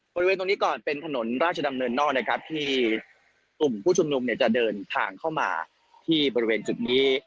บริเวณตรงนี้ก่อนเป็นถนนราชดำเนินนอกนะครับที่กลุ่มผู้ชุมนุมเนี่ยจะเดินทางเข้ามาที่บริเวณจุดนี้